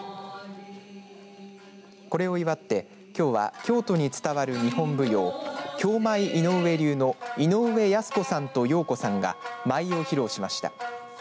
これを祝ってきょうは京都に伝わる日本舞踊京舞井上流の井上安寿子さんと葉子さんが舞を披露しました。